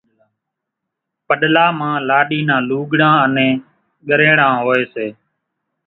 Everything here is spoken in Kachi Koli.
پڏلا مان لاڏِي نان لوُڳڙان انين ڳريڻان هوئيَ سي۔